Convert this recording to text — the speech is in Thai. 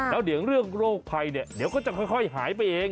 แล้วเดี๋ยวเรื่องโรคภัยเนี่ยเดี๋ยวก็จะค่อยหายไปเอง